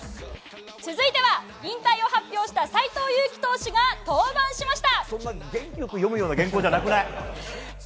続いては引退を発表した斎藤佑樹投手が登板しました。